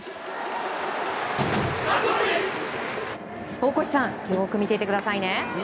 大越さんよく見ていてくださいね。